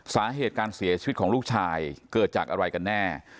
สาเหตุการเสียชีวิตของลูกชายเกิดจากอะไรกันแน่